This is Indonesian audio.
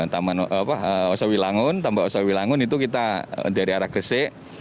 taman osowi langun tambak osowi langun itu kita dari arah gresik